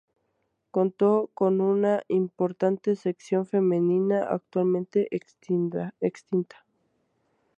Contó con una importante sección femenina actualmente extinta.